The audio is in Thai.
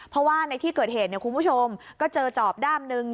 เพราะว่าในที่เกิดเหตุเนี่ยคุณผู้ชมก็เจอจอบด้ามหนึ่ง